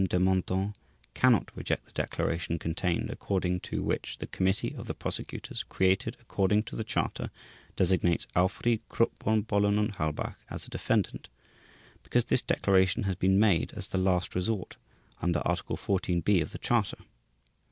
de MENTHON cannot reject the declaration contained, according to which "The Committee of the Prosecutors created according to the Charter, designates Alfried KRUPP VON BOHLEN UND HALBACH as a defendant" because this declaration has been made as the last resort, under Article 14 b of the Charter.